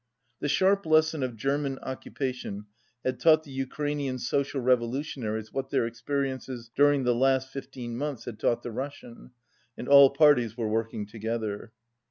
The sharp lesson of German occupation had taught the .Ukrainian Social Revolutionaries what their expe riences during the last fifteen months had taught the Russian, and all parties were working to gether.